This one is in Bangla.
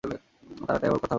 তাড়াতাড়ি আবার কথা হবে, হ্যাঁ?